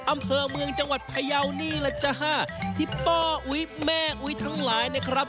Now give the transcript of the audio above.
อำเภอเมืองจังหวัดพยาวนี่แหละจ้าฮะที่ป้าอุ๊ยแม่อุ๊ยทั้งหลายนะครับ